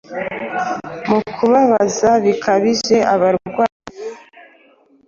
Mu kubabaza bikabije abarwayi